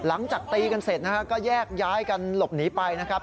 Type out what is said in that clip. หลังจากตีกันเสร็จนะฮะก็แยกย้ายกันหลบหนีไปนะครับ